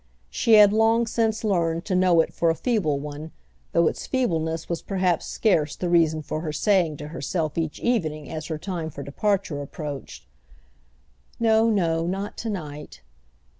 She had long since learned to know it for a feeble one, though its feebleness was perhaps scarce the reason for her saying to herself each evening as her time for departure approached: "No, no—not to night."